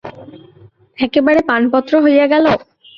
একেবারে পানপত্র হইয়া গেল?